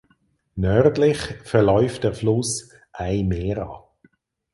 Nördlich verläuft der Fluss "Ai Mera".